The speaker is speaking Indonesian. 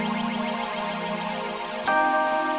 kamu jahat ra kamu jahat